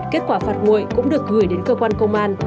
kết quả phạt nguội cũng được gửi đến cơ quan công an